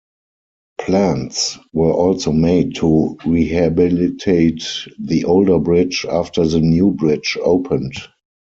Plans were also made to rehabilitate the older bridge after the new bridge opened.